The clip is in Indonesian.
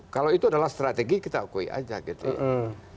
kalau itu adalah strategi kita okui saja gitu ya